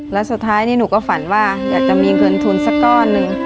และสุดท้ายหนูฝันว่าอยากจะมีเงินทุนสักก้อนนึง